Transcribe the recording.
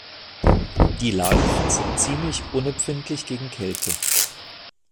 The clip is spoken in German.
Die Larven sind ziemlich unempfindlich gegen Kälte.